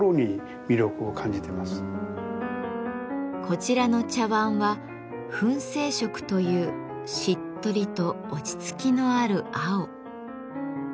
こちらの茶碗は「粉青色」というしっとりと落ち着きのある青。